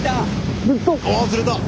あ釣れた！